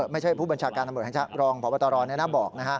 ไม่ใช่ผู้บัญชาการธรรมศาสตรองพปฎรนั้นบอก